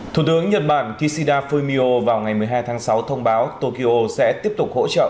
thủ tướng nhật bản kishida fumio vào ngày một mươi hai tháng sáu thông báo tokyo sẽ tiếp tục hỗ trợ